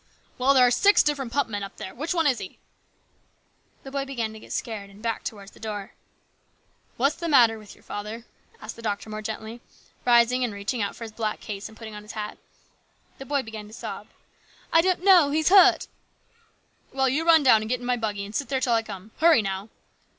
" Well, there are six different pump men up there. Which one is he ?" The boy began to get scared and backed towards the door. " What's the matter with your father ?" asked the doctor more gently, rising and reaching out for his black case and putting on his hat. The boy began to sob. " I don't know ; he's hurt." "Well, you run down and get into my buggy and sit there till I come. Hurry now."